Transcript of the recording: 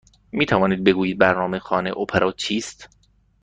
می توانید بگویید برنامه خانه اپرا چیست؟